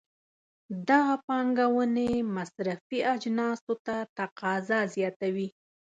دغه پانګونې مصرفي اجناسو ته تقاضا زیاتوي.